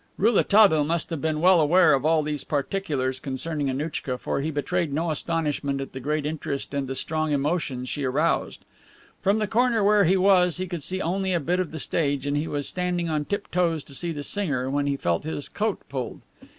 Rouletabille must have been well aware of all these particulars concerning Annouchka, for he betrayed no astonishment at the great interest and the strong emotion she aroused. From the corner where he was he could see only a bit of the stage, and he was standing on tiptoes to see the singer when he felt his coat pulled.